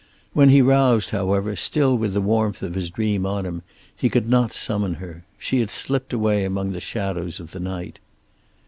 When he roused, however, still with the warmth of his dream on him, he could not summon her. She had slipped away among the shadows of the night.